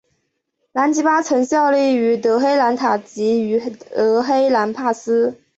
兰吉巴曾效力于德黑兰塔吉于德黑兰帕斯。